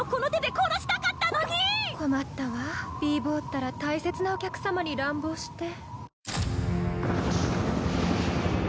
困ったわＢ坊ったら大切なお客さまに乱暴して。